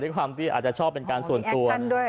ความที่อาจจะชอบเป็นการส่วนตัว